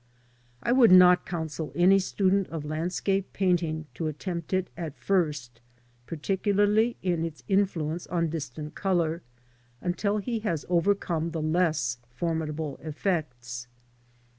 I would not counsel any student of landscape painting to attempt it at first, particularly in its influence on distant colour, until he has overcome the less formidable effects.